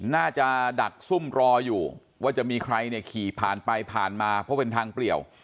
ดักซุ่มรออยู่ว่าจะมีใครเนี่ยขี่ผ่านไปผ่านมาเพราะเป็นทางเปลี่ยว